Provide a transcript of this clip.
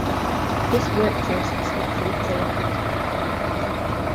This work process has proved prolific.